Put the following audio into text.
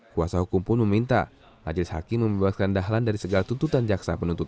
kuasa hukum pun meminta majelis hakim membebaskan dahlan dari segala tuntutan jaksa penuntut